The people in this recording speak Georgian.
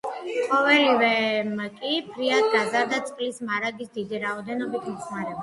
ყოველივემ კი ფრიად გაზარდა წყლის მარაგის დიდი რაოდენობით მოხმარება.